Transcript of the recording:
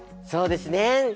そうですね。